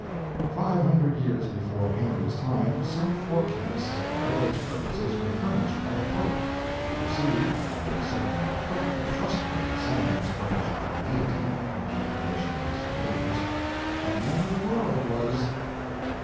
Five hundred years before Henry's time some forecasts of the Lord's purposes were furnished by a pope, who perceived, by certain perfectly trustworthy signs furnished by the Deity for the information of His familiars, that the end of the world was